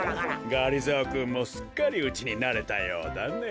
がりぞーくんもすっかりうちになれたようだね。